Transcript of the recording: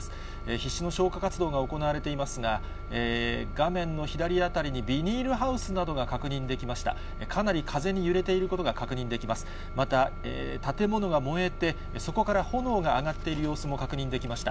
必死の消火活動が行われていますが、画面の左辺りにビニールハウスなどが確認できました。